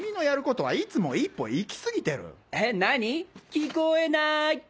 聞こえない！